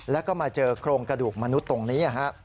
แล้วก็มาเจอโครงกระดูกมนุษย์ตรงนี้